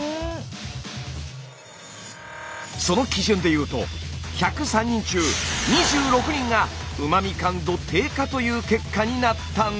その基準で言うと１０３人中２６人がうま味感度低下という結果になったんです。